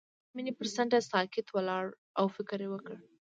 هغه د مینه پر څنډه ساکت ولاړ او فکر وکړ.